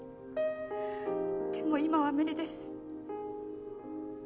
でも今は無理です。